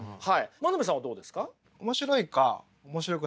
真鍋さんはどうですか？